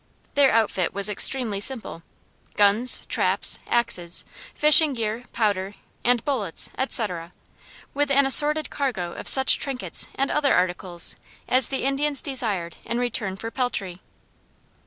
Their outfit was extremely simple: guns, traps, axes, fishing gear, powder, and bullets, &c., with an assorted cargo of such trinkets and other articles as the Indians desired in return for peltry.